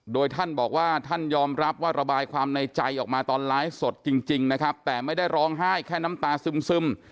โดยท่านบอกว่าท่านยอมรับว่าระบายความในใจออกมาตอนไลฟ์สดจริงนะครับแต่ไม่ได้ร้องไห้แค่น้ำตาซึม